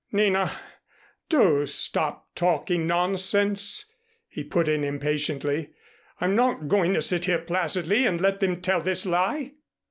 "Nina, do stop talking nonsense," he put in impatiently. "I'm not going to sit here placidly and let them tell this lie."